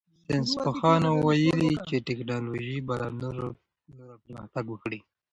ساینس پوهانو ویلي چې تکنالوژي به لا نوره پرمختګ وکړي.